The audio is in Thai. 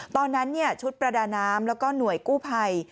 ตอนนั้นชุดประดาน้ำแล้วก็หน่วยกู้ภัย